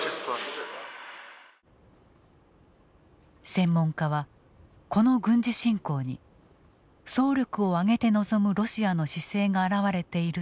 専門家はこの軍事侵攻に総力を挙げて臨むロシアの姿勢が表れていると分析している。